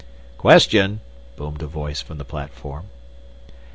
"Question!" boomed a voice from the platform.